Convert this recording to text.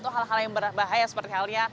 hal hal yang berbahaya seperti halnya